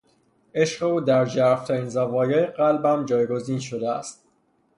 عشق او در ژرفترین زوایای قلبم جایگزین شده است.